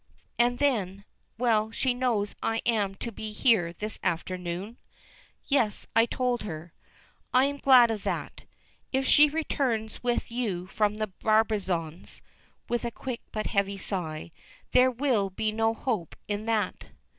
And then: "Well, she knows I am to be here this afternoon?" "Yes. I told her." "I am glad of that. If she returns with you from the Brabazons," with a quick but heavy sigh, "there will be no hope in that."